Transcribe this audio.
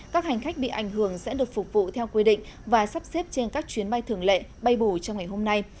các hành khách bị ảnh hưởng sẽ được phục vụ theo quy định và sắp xếp trên các chuyến bay thường lệ bay bù trong ngày hôm nay